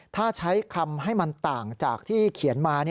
ถ้าใช้คำให้มันต่างจากที่เขียนมา